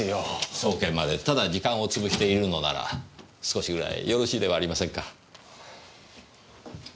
送検までただ時間を潰しているのなら少しぐらいよろしいではありませんか。